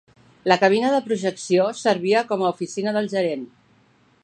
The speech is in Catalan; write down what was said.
La cabina de projecció servia com a oficina del gerent.